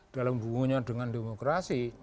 dalam hubungannya dengan demokrasi